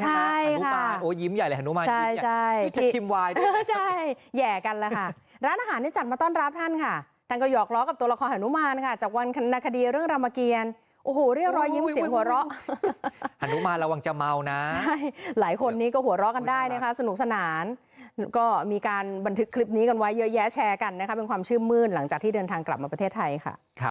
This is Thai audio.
หุ่นกระบอกเล็กไงคะหุ่นกระบอกเล็กไงคะหุ่นกระบอกเล็กไงคะหุ่นกระบอกเล็กไงคะหุ่นกระบอกเล็กไงคะหุ่นกระบอกเล็กไงคะหุ่นกระบอกเล็กไงคะหุ่นกระบอกเล็กไงคะหุ่นกระบอกเล็กไงคะหุ่นกระบอกเล็กไงคะหุ่นกระบอกเล็กไงคะหุ่นกระบอกเล็กไงคะหุ่นกระบอกเล็กไงคะหุ่นกระบอกเล็กไงคะหุ่นกระบอกเล็ก